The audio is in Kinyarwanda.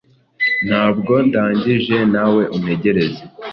Ntabwo ndangije naweuntegereze